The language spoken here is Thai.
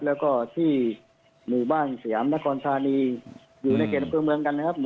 แล้วก็ที่หมู่บ้านเสียมนครศาลีอยู่ในเกณฑ์เมืองกันนะครับ